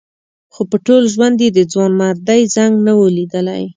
خو په ټول ژوند یې د ځوانمردۍ زنګ نه و لیدلی.